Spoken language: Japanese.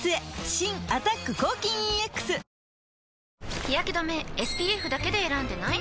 新「アタック抗菌ＥＸ」日やけ止めＳＰＦだけで選んでない？